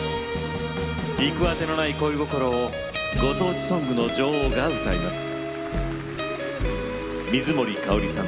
行く当てのない恋心をご当地ソングの女王が歌います。